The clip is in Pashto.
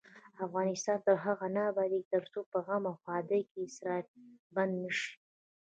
افغانستان تر هغو نه ابادیږي، ترڅو په غم او ښادۍ کې اسراف بند نشي.